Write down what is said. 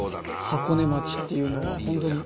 箱根町っていうのは本当に。